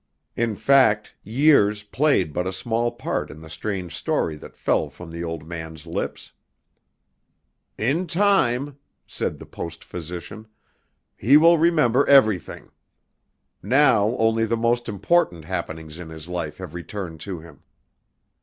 In fact, years played but a small part in the strange story that fell from the old man's lips. "In time," said the Post physician, "he will remember everything. Now only the most important happenings in his life have returned to him."